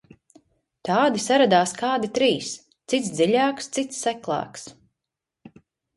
Tādi saradās kādi trīs, cits dziļāks, cits seklāks.